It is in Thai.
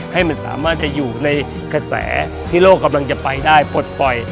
ให้มันสามารถจะอยู่ในกระแสที่โลกกำลังจะไปได้ปลดปล่อย